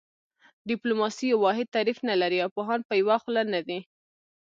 ډیپلوماسي یو واحد تعریف نه لري او پوهان په یوه خوله نه دي